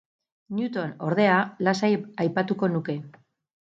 Newton, ordea, lasai aipatuko nuke.